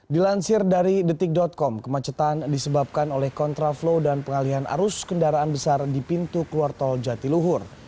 dilansir dari detik com kemacetan disebabkan oleh kontraflow dan pengalihan arus kendaraan besar di pintu keluar tol jatiluhur